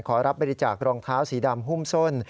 รับบริจาครองเท้าสีดำหุ้มส้น